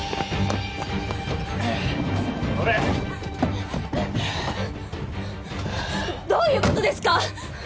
はぁはぁどういうことですか？